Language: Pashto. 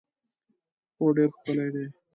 هو ډېر ښکلی دی.